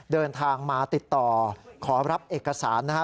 เดินทางมาติดต่อขอรับเอกสารนะครับ